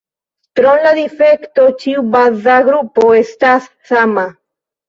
Krom la difektoj, ĉiu baza grupo estas sama.